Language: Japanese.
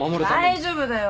大丈夫だよ